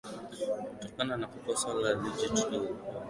Kutokana na kosa la kuleta uchochezi